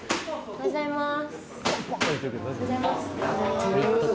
おはようございます